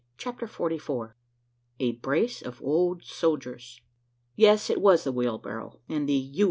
CHAPTER FORTY FOUR. A BRACE OF "OLD SOJERS." Yes, it was the wheelbarrow; and the "U.